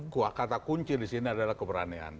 kata kunci disini adalah keberanian